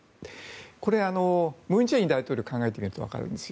これ、文在寅大統領考えてみるとわかるんですよ。